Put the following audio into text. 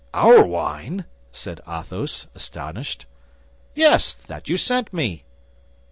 "Our wine!" said Athos, astonished. "Yes, that you sent me."